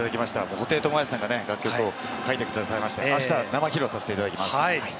布袋寅泰さんが楽曲を書いてくださって、あした生披露させていただきます。